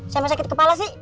saya masih sakit kepala sih